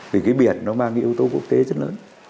vì cái biển nó mang cái yếu tố quốc tế rất lớn